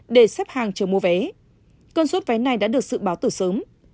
để xếp hàng chờ mua vé cơn suốt vé này đã được sự báo từ sớm